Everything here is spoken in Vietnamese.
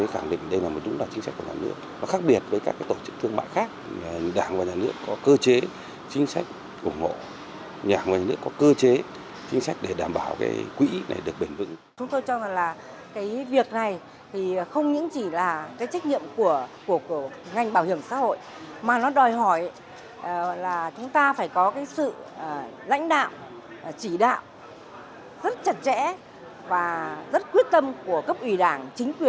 chúng ta phải có sự lãnh đạo chỉ đạo rất chặt chẽ và rất quyết tâm của cấp ủy đảng chính quyền